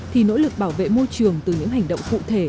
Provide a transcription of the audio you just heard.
thì nỗ lực bảo vệ môi trường từ những hành động cụ thể